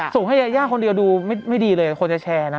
ส่งให้ยาย่าคนเดียวดูไม่ดีเลยคนจะแชร์นะ